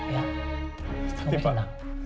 ya kau kena